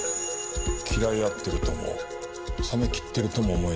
嫌い合ってるとも冷め切ってるとも思えない。